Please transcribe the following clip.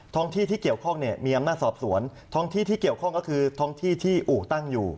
ท้องที่ที่เกี่ยวข้องเนี่ยมีอำนาจสอบสวนท้องที่ที่เกี่ยวข้องก็คือท้องที่ที่อู่ตั้งอยู่